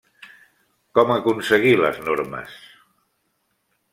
Com aconseguir les normes?